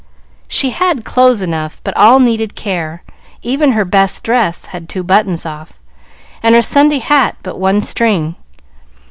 She had clothes enough, but all needed care; even her best dress had two buttons off, and her Sunday hat but one string.